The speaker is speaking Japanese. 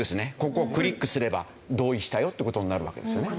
ここをクリックすれば同意したよって事になるわけですよね。